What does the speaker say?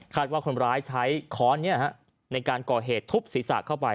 ว่าคนร้ายใช้ค้อนนี้ในการก่อเหตุทุบศีรษะเข้าไป